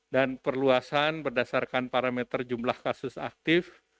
dan perluasan berdasarkan parameter jumlah kasus aktif